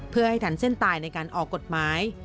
เพื่อให้ทันเส้นตายในการออกกฎหมาย